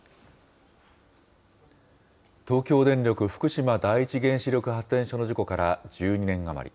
東京電力福島第一原子力発電所の事故から１２年余り。